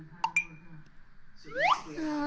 ああ。